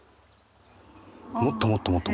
もっともっともっと。